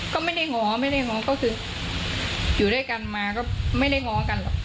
ก็ไม่ได้ง้อไม่ได้ง้อก็คืออยู่ด้วยกันมาก็ไม่ได้ง้อกันหรอก